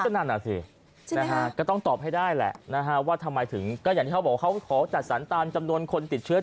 ทั้งต่อไปได้และนะคะว่าทำไมถึงเขาขอจัดสรรตามจำนวนคนติดเชื้อ